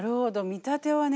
「見立て」はね